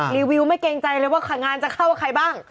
รีวิวไม่เกรงใจเลยว่างานจะเข้ากับใครบ้าง